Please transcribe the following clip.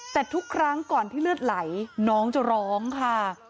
แต่ทุกครั้งก่อนที่เลือดไหลน้องจะร้องค่ะ